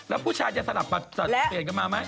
แล้วผู้ชายจะสลับเปลี่ยนกันมาไหม